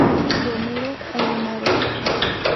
Romero, Aldemaro.